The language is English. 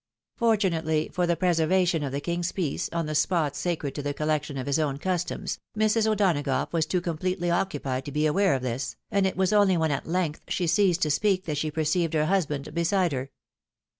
Fortunately for the preservation of the King's peace, on the spot sacred to the collection of his own customs, Mrs. O'Donagough was too completely occupied to be aware of this, and it was only when at length she ceased to speak, that she perceived her husband beside her.